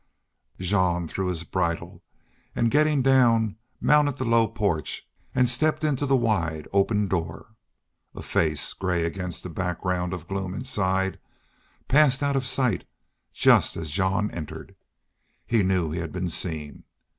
Jean threw his bridle, and, getting down, mounted the low porch and stepped into the wide open door. A face, gray against the background of gloom inside, passed out of sight just as Jean entered. He knew he had been seen.